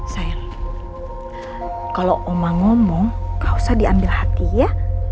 sayang kalau oma ngomong gak usah diambil hati ya